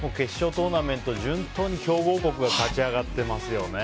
トーナメント順当に強豪国が勝ち上がってますよね。